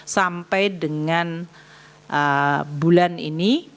sampai dengan bulan ini